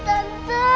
aku akan menang